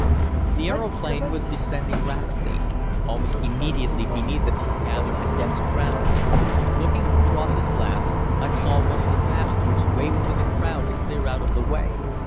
The aeroplane was descending rapidly. Almost immediately beneath it was gathered a dense crowd. Looking through Ross's glass, I saw one of the passengers waving to the crowd to clear out of the way.